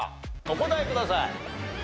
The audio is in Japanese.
お答えください。